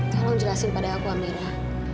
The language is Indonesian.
tolong jelasin pada aku amera